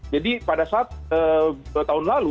jadi pada saat tahun lalu